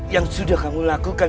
yang sudah kamu lakukan